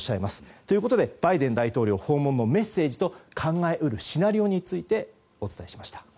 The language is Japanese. ということでバイデン大統領訪問のメッセージと考え得るシナリオについてお伝えしました。